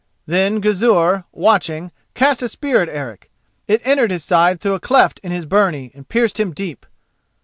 Then Gizur, watching, cast a spear at Eric. It entered his side through a cleft in his byrnie and pierced him deep.